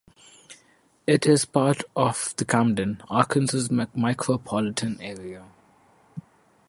It is part of the Camden, Arkansas micropolitan area.